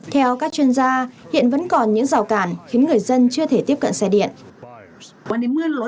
theo các chuyên gia hiện vẫn còn những rào cản khiến người dân chưa thể tiếp cận xe điện